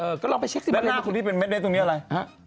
เออก็ลองไปเช็คสิเมื่อไหร่แล้วหน้าคุณที่เป็นเม็ดเม็ดตรงนี้อะไร